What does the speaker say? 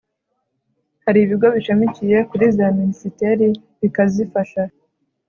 hari ibigo bishamikiye kuri za minisiteri bikazifasha